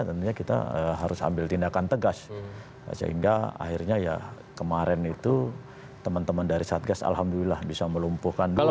tentunya kita harus ambil tindakan tegas sehingga akhirnya ya kemarin itu teman teman dari satgas alhamdulillah bisa melumpuhkan